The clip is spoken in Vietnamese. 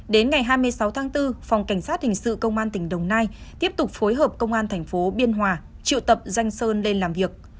đến ngày hai mươi sáu tháng bốn phòng cảnh sát hình sự công an tỉnh đồng nai tiếp tục phối hợp công an thành phố biên hòa triệu tập danh sơn lên làm việc